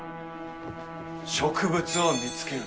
植物を見つける。